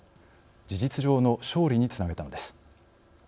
事実上の勝利につなげたのです。